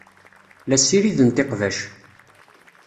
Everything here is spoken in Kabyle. La ssirident iqbac.